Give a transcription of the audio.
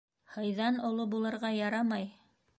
Һыйҙан оло булырға ярамай.